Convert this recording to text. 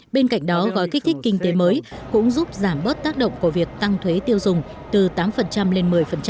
bên cạnh đó gói kích thích kinh tế mới cũng giúp giảm bớt tác động của việc tăng thuế tiêu dùng từ tám lên một mươi